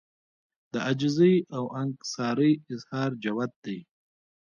د عاجزۍاو انکسارۍ اظهار جوت دی